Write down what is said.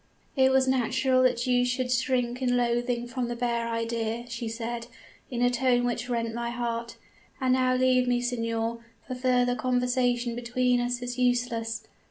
"'It was natural that you should shrink in loathing from the bare idea,' she said, in a tone which rent my heart. 'And now leave me, signor; for further conversation between us is useless.'